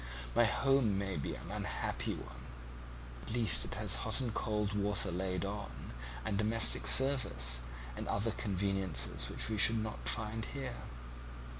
My home may be an unhappy one, but at least it has hot and cold water laid on, and domestic service, and other conveniences which we shouldn't find here.